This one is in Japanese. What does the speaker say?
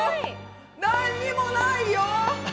何にもないよ！